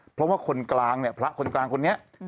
เพราะว่าคนกลางเนี่ยพระคนกลางคนนี้